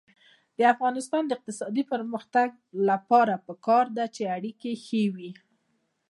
د افغانستان د اقتصادي پرمختګ لپاره پکار ده چې اړیکې ښې وي.